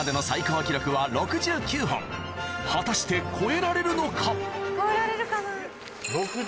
果たして超えられるのか？